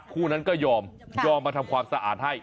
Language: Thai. คู่นั้นก็ยอมยอมมาทำความสะอาดให้